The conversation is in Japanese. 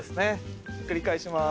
ひっくり返しまーす。